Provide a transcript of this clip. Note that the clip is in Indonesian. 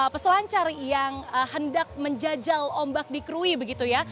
peselancar yang hendak menjajal ombak di kruid begitu ya